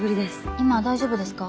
今大丈夫ですか？